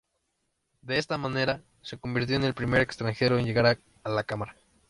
De esta manera, se convirtió en el primer extranjero en llegar a la Cámara.